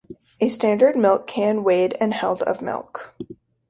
A standard milk can weighed and held of milk.